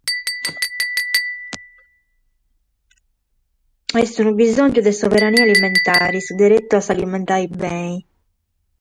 Est unu bisòngiu sa soberania alimentare, su deretu a s'alimentare bene.